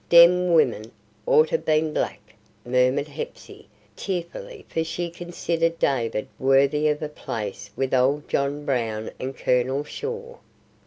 "Dem women oughter bin black," murmured Hepsey, tearfully; for she considered David worthy of a place with old John Brown and Colonel Shaw.